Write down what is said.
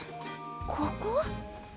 ここ？